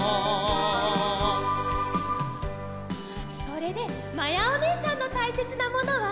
それでまやおねえさんのたいせつなものは？